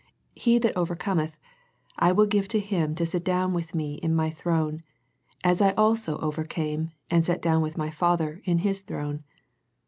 He that overcometh, I will give to him to sit down with Me in My throne, as I also overcame, and sat down with My Father in His throne.